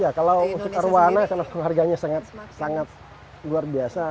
ya kalau untuk arwana karena harganya sangat luar biasa